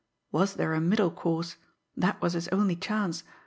Was there a middle course? That was his only chance.